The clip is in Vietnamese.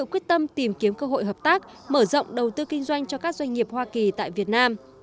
quyết tâm tìm kiếm cơ hội hợp tác mở rộng đầu tư kinh doanh cho các doanh nghiệp hoa kỳ tại việt nam